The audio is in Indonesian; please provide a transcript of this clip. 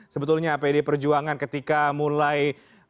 sebetulnya pd perjuangan ketika mulai